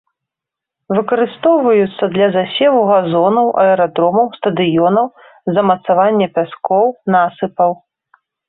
Выкарыстоўваюцца для засеву газонаў, аэрадромаў, стадыёнаў, замацавання пяскоў, насыпаў.